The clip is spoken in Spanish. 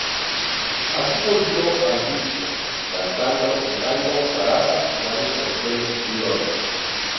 Así volvió al disco, cantando el tango "Zaraza" y varias canciones criollas.